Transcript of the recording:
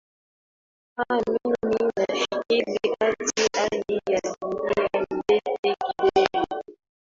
aa mimi nafikiri hadi hali ya libya nitete kidogo